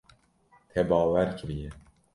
Te bawer kiriye.